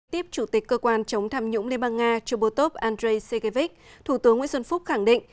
tiếp chủ tịch cơ quan chống tham nhũng liên bang nga chobotov andrei segevich thủ tướng nguyễn xuân phúc khẳng định